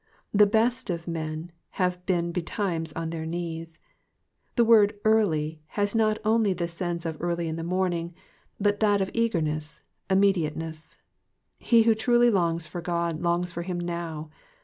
The best of men have been betimes on their knees. The word early'''' has not only the sense of early in the morning, but that of eagerness, immediateness. He who truly longs for God longs for him now.